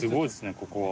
ここは。